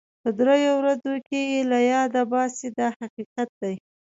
په دریو ورځو کې یې له یاده باسي دا حقیقت دی.